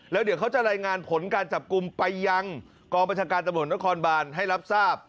แล้วเดี๋ยวเขาจะลายงานผลการจับกลุ่มไปยังกรองบัตรศักดิ์การท